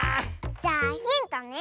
じゃあヒントね！